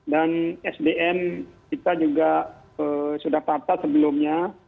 dan sdm kita juga sudah patah sebelumnya